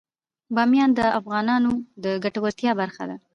بامیان د افغانانو د ګټورتیا برخه ده.